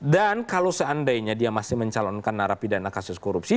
dan kalau seandainya dia masih mencalonkan narapidana kasus korupsi